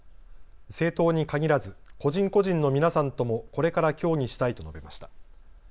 政党にかぎらず、個人個人の皆さんともこれから協議したいと述べました。